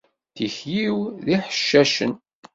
Tikli-w d iḥeccacen